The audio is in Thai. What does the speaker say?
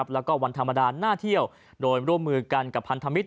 แล้วก็วันธรรมดาน่าเที่ยวโดยร่วมมือกันกับพันธมิตร